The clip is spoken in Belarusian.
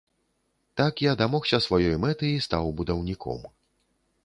Так я дамогся сваёй мэты і стаў будаўніком.